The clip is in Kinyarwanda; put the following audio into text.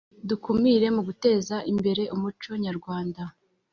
Dukumire muguteze imbere umuco nyarwanda